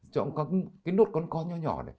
chọn cái nốt con con nhỏ nhỏ này